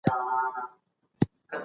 سیاستوال چیري د قانون واکمني پیاوړي کوي؟